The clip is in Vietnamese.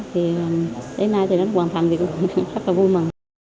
thì đến nay thì đã hoàn thành thì cũng rất là vui mừng